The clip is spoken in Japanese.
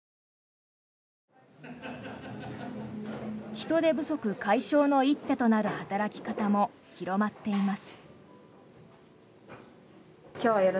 人手不足解消の一手となる働き方も広まっています。